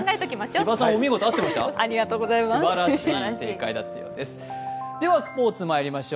千葉さん、お見事、合ってました？